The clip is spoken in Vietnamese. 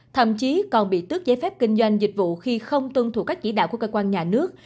thậm chí còn bị tước giấy phép kinh doanh dịch vụ khi không tuân thủ các chỉ đạo của cơ quan nhà nước